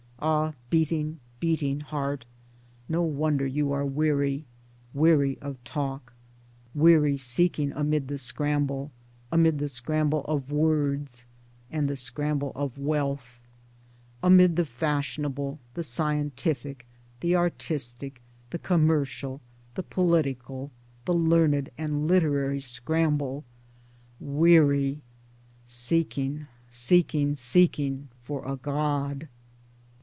Ah, beating beating heart ! No wonder you are weary ! weary of talk ! Weary seeking amid the scramble, amid the scramble of words and the scramble of wealth, Amid the fashionable, the scientific, the artistic, the com mercial, the political, the learned and literary scramble — weary, Towards Democracy 51 Seeking, seeking, seeking for a God